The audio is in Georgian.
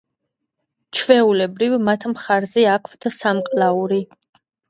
ჩვეულებრივ მათ მხარზე აქვთ სამკლაური.